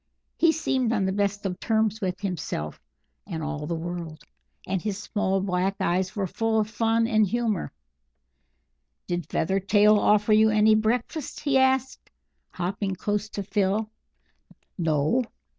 He seemed on the best of terms with himself and all the world, and his small black eyes were full of fun and humour. "Did Feathertail offer you any breakfast?" he asked, hopping close to Phil. "No."